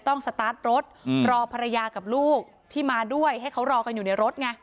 สตาร์ทรถรอภรรยากับลูกที่มาด้วยให้เขารอกันอยู่ในรถไง